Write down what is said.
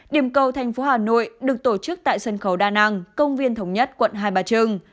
điểm cầu thành phố hà nội được tổ chức tại sân khấu đa năng công viên thống nhất quận hai bà trưng